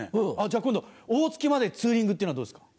じゃあ今度大月までツーリングっていうのはどうですか？